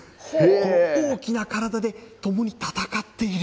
この大きな体で共に戦っている。